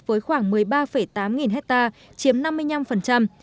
với khoảng một mươi ba tám nghìn hectare chiếm năm mươi năm